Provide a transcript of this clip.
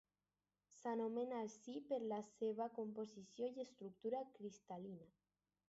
S'anomena així per la seva composició i estructura cristal·lina.